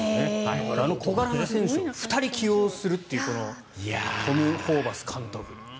あの小柄な選手２人を起用するというトム・ホーバス監督。